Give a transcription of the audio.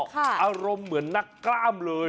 อารมณ์เหมือนนักกล้ามเลย